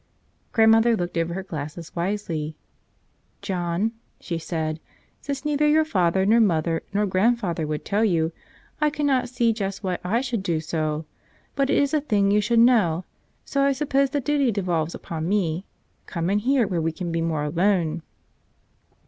Grandmother looked over her glasses wisely. "John," she said, "since neither your father nor mother nor grandfather would tell you, I cannot see just why I should do so. But it is a thing you should know, so I suppose the duty devolves upon me. Come in here where we can be more alone."